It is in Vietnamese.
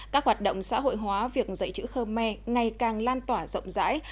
các hoạt động xã hội hóa việc dạy chữ khơ me ngày càng lan tỏa rộng rãi